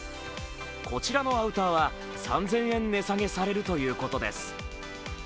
こちらのアウターは、３０００円値下げされるということです。